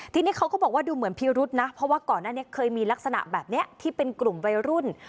ทีนี้เขาก็บอกว่าดูเหมือนพิรุษนะเพราะว่าก่อนหน้านี้เคยมีลักษณะแบบนี้ที่เป็นกลุ่มวัยรุ่น